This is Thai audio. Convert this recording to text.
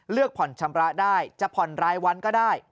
ผ่อนชำระได้จะผ่อนรายวันก็ได้